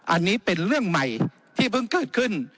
อันนี้เป็นเรื่องใหม่ที่เพิ่งเกิดขึ้น